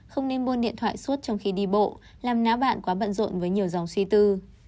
không nên buôn điện thoại suốt trong khi đi bộ làm náo bạn quá bận rộn với nhiều dòng suy tư